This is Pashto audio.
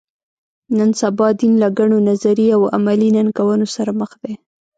نن سبا دین له ګڼو نظري او عملي ننګونو سره مخ دی.